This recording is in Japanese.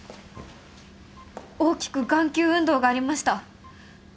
大きく眼球運動がありました。